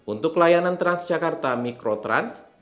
untuk layanan transjakarta mikrotrans